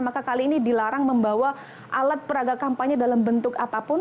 maka kali ini dilarang membawa alat peraga kampanye dalam bentuk apapun